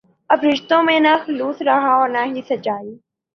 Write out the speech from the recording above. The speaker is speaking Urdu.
اب رشتوں میں نہ خلوص رہا ہے اور نہ ہی سچائی